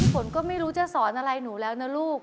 ฝนก็ไม่รู้จะสอนอะไรหนูแล้วนะลูก